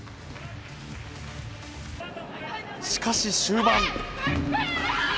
しかし、終盤。